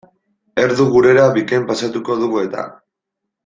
Erdu gurera bikain pasatuko dugu eta.